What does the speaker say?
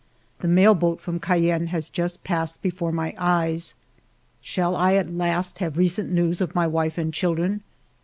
The mail boat from Cayenne has just passed before my eyes. Shall I at last have recent news of my wife and children